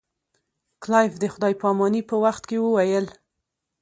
کلایف د خدای په امانی په وخت کې وویل.